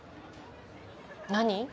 何？